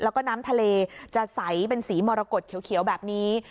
แล้วก็น้ำทะเลจะใสเป็นสีมรกฏเขียวแบบนี้